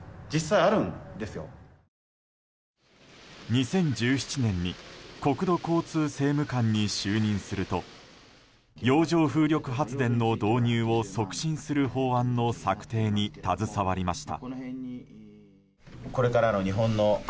２０１７年に国土交通政務官に就任すると洋上風力発電の導入を促進する法案の策定に携わりました。